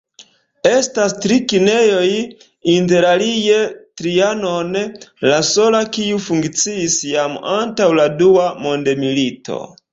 Estas tri kinejoj, interalie "Trianon", la sola kiu funkciis jam antaŭ la Dua Mondmilito.